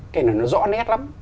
cái này nó rõ nét lắm